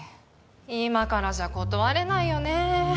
今からじゃ断れないよね。